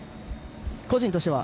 個人としては？